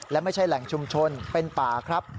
และไม่ใช่แหล่งชุมชนเป็นป่าครับ